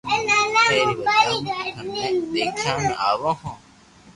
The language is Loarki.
اي ري وجھ مون ٿني ديکيا ۾ آوو ھون